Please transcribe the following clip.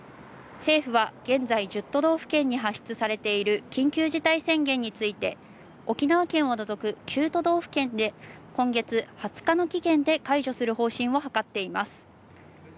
政府は現在、１０都道府県に発出されている緊急事態宣言について、沖縄県を除く９都道府県で今月２０日の期限で解除する方針を諮っています。